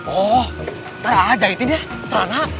oh ntar aja jahitin ya celana